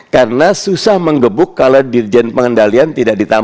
karena susah mengebuk kalau dirjen pengendalian tidak ditemukan